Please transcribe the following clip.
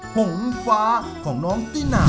หงฟ้าของน้องตินา